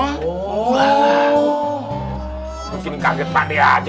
mungkin kaget pak deh aja